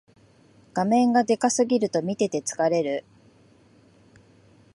画面がでかすぎると見てて疲れる